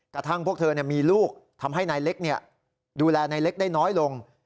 กระทั่งพวกเธอมีลูกทำให้นายเล็กดูแลนายเล็กได้น้อยลง